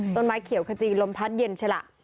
ต้นไม้เขียวขจีลมพัดเย็นใช่ล่ะ